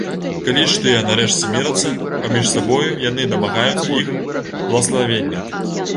Калі ж тыя нарэшце мірацца паміж сабою, яны дамагаюцца іх блаславення.